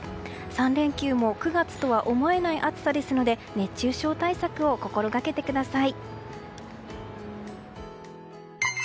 ３連休も９月とは思えない暑さですので熱中症対策を心がけてください。